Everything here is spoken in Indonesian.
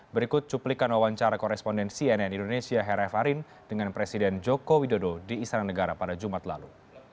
berikut cuplikan wawancara koresponden cnn indonesia hera farin dengan presiden joko widodo di istana negara pada jumat lalu